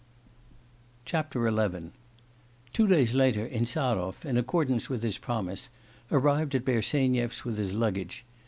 XI Two days later, Insarov in accordance with his promise arrived at Bersenyev's with his luggage.